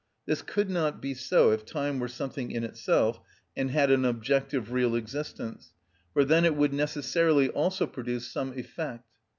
This could not be so if time were something in itself and had an objective, real existence; for then it would necessarily also produce some effect.